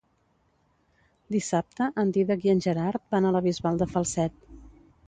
Dissabte en Dídac i en Gerard van a la Bisbal de Falset.